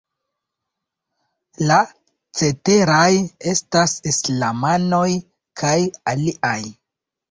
La ceteraj estas Islamanoj kaj aliaj.